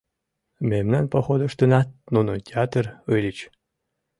Мемнан походыштынат нуно ятыр ыльыч.